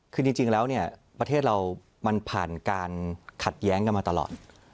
คือจริงแล้วเนี่ยประเทศเรามันผ่านการขัดแย้งกันมาตลอด